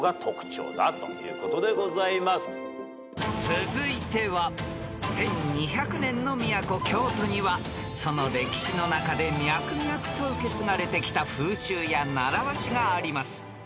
［続いては１，２００年の都京都にはその歴史の中で脈々と受け継がれてきた風習や習わしがあります］